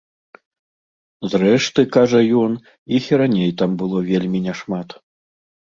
Зрэшты, кажа ён, іх і раней там было вельмі не шмат.